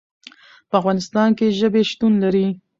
په افغانستان کې ژبې شتون لري.